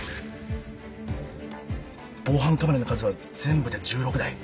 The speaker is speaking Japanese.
防犯カメラの数は全部で１６台。